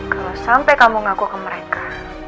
kalau sampai kamu ngaku ke mereka